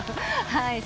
はい。